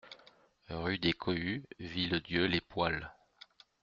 Rue des Cohues, Villedieu-les-Poêles